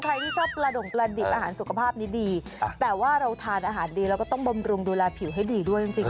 ใครที่ชอบประดงประดิบอาหารสุขภาพดี